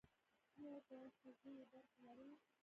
ایا د خصیو درد لرئ؟